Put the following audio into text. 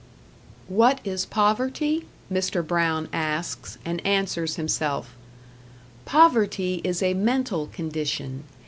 "What is Poverty?" Mr. Brown asks, and answers himself: Poverty is a mental condition.